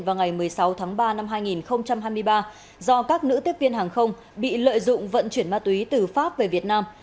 vào ngày một mươi sáu tháng ba năm hai nghìn hai mươi ba do các nữ tiếp viên hàng không bị lợi dụng vận chuyển ma túy từ pháp về việt nam